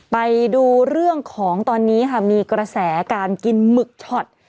ไปดูเรื่องของตอนนี้ค่ะมีกระแสการกินหมึกช็อต